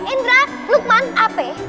sobi indra lukman ape